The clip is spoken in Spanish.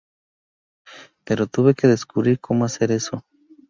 Pero tuve que descubrir cómo hacer eso".